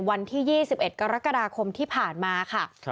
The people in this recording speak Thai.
วันที่๒๑กรกฎาคมที่ผ่านมาค่ะ